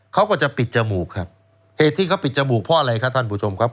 เขาก็จะปิดจมูกครับเหตุที่เขาปิดจมูกเพราะอะไรครับท่านผู้ชมครับ